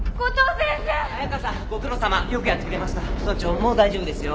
もう大丈夫ですよ。